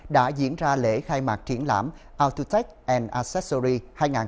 đã diễn ra lễ khai mạc triển lãm autotech accessories hai nghìn hai mươi ba